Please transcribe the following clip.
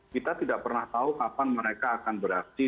kita tidak pernah tahu kapan mereka akan beraksi